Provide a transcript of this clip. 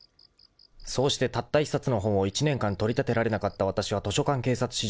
［そうしてたった１冊の本を１年間取り立てられなかったわたしは図書館警察史